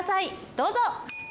どうぞ。